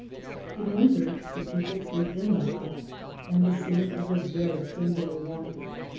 In winter the people sleep in the hut, and the scene is a very singular one.